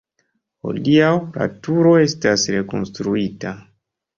Hodiaŭ la turo estas rekonstruita.